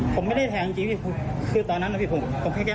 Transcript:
ผมไม่ได้แทงจริงคือตอนนั้นนะพี่